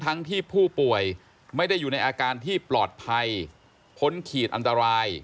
ทั้งที่ผู้ป่วยไม่ได้อยู่ในอาการที่ปลอดภัยพ้นขีดอันตราย